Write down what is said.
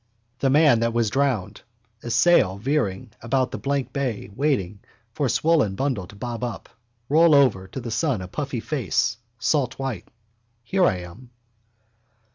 The man that was drowned. A sail veering about the blank bay waiting for a swollen bundle to bob up, roll over to the sun a puffy face, saltwhite. Here I am.